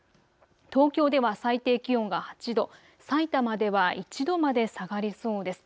東京では最低気温が８度、さいたまでは１度まで下がりそうです。